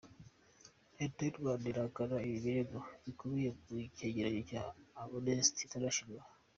Leta y’u Rwanda irahakana ibi birego bikubiye mu cyegeranyo cya Amnesty International.